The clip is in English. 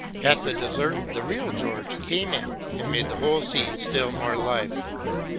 At the dessert the real "G reorge came in, and made the whole scene still more lively.